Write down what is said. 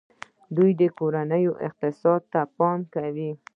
دوی د کورنۍ اقتصاد ته پام کوي.